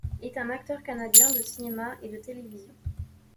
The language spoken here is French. Est un acteur canadien de cinéma et de télévision.